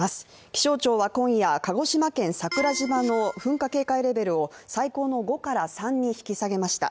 気象庁は今夜、鹿児島県桜島の噴火警戒レベルを最高の５から３に引き下げました。